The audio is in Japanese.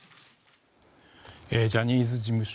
ジャニーズ事務所